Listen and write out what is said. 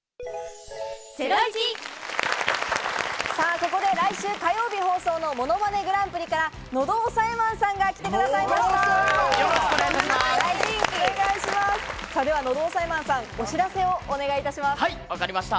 ここで来週火曜日放送の『ものまねグランプリ』から喉押さえマンさんが来てくださいました。